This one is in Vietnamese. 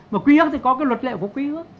mà quy ước thì có cái luật lệ của quy ước